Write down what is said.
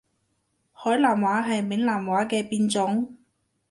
海南話係閩南話嘅變種